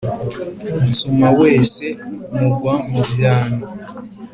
Nsuma wese mugwa mu byano,